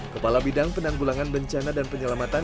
kepala bidang penanggulangan bencana dan penyelamatan